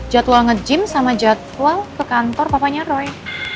jadwal nge gym sama jadwal ke kantor papanya roy